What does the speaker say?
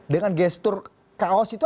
dengan gestur kaos itu